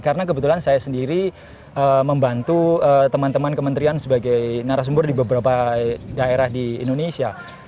karena kebetulan saya sendiri membantu teman teman kementerian sebagai narasumber di beberapa daerah di indonesia